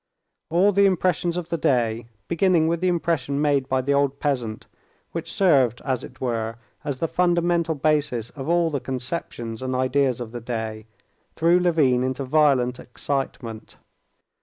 All the impressions of the day, beginning with the impression made by the old peasant, which served, as it were, as the fundamental basis of all the conceptions and ideas of the day, threw Levin into violent excitement.